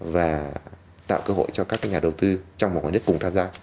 và tạo cơ hội cho các nhà đầu tư trong một ngoài nước cùng tham gia trong dự án đó